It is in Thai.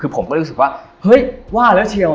คือผมก็รู้สึกว่าเฮ้ยว่าแล้วเชียว